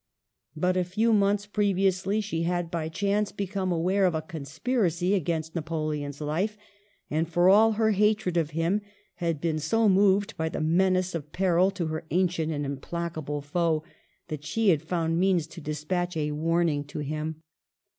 But a few months previously she /had by chance become aware of a conspiracy jl against Napoleon's life, and, for all her hatred of a him, had been so moved by the menace of peril I to her ancient and implacable foe, that she had I found means to despatch a warning to him.